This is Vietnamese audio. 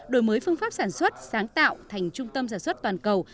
đổi mới phương pháp sản xuất sáng tạo thành trung tâm sản xuất toàn cầu